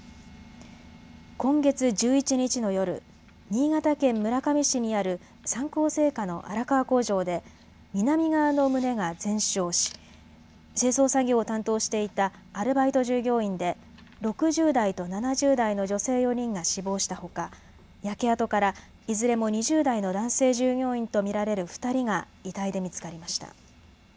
今月１１日の夜、新潟県村上市にある三幸製菓の荒川工場で南側の棟が全焼し清掃作業を担当していたアルバイト従業員で６０代と７０代の女性４人が死亡したほか焼け跡からいずれも２０代の男性従業員と見られる２人が遺体で見つかりました。